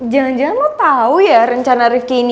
jangan jangan lo tahu ya rencana rifki ini